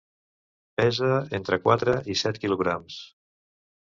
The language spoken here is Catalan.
Pesa entre quatre i set quilograms.